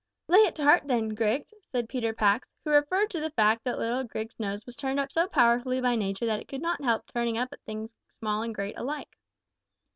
"Lay it to heart then, Grigs," said Peter Pax, who referred to the fact that little Grigs's nose was turned up so powerfully by nature that it could not help turning up at things small and great alike.